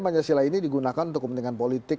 pancasila ini digunakan untuk kepentingan politik